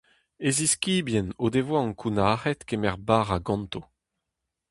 E ziskibien o devoa ankounac’haet kemer bara ganto.